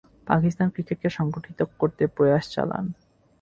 পাকিস্তান ক্রিকেটকে সংগঠিত করতে প্রয়াস চালান।